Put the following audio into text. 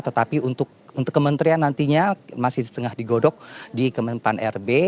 tetapi untuk kementerian nantinya masih tengah digodok di kementerian pan rb